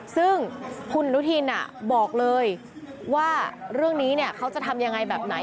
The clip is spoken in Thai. ซึ่งคุณอนุทินบอกเลยว่าเรื่องนี้เขาจะทำยังไงแบบไหน